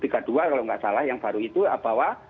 kalau nggak salah yang baru itu bahwa